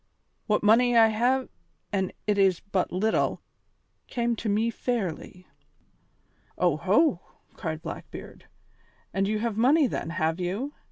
What money I hae an' it is but little came to me fairly." "Oho!" cried Blackbeard, "and you have money then, have you?